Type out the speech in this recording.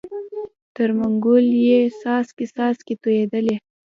تر منګول یې څاڅکی څاڅکی تویېدلې